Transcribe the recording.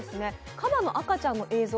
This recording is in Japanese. カバの赤ちゃんの映像